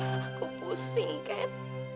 aku pusing ken